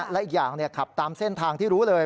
และอีกอย่างขับตามเส้นทางที่รู้เลย